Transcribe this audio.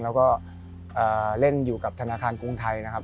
แล้วก็เล่นอยู่กับธนาคารกรุงไทยนะครับ